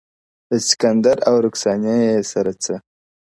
د سکندر او رکسانې یې سره څه.